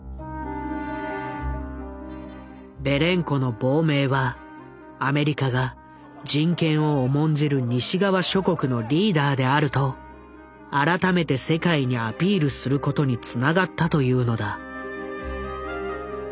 ベレンコの亡命はアメリカが人権を重んじる西側諸国のリーダーであると改めて世界にアピールすることにつながったというのだ。